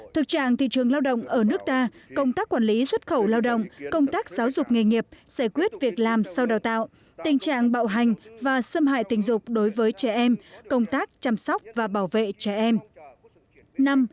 ba thực trạng thị trường lao động ở nước ta công tác quản lý xuất khẩu lao động công tác giáo dục nghề nghiệp giải quyết việc làm sau đào tạo tình trạng bạo hành và xâm hại tình dục đối với trẻ em công tác chăm sóc và bảo vệ trẻ em